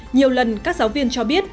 nhiều lần các giáo viên cho biết